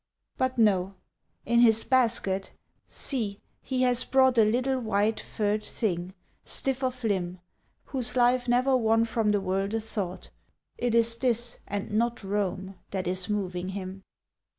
But no; in his basket, see, he has brought A little white furred thing, stiff of limb, Whose life never won from the world a thought; It is this, and not Rome, that is moving him.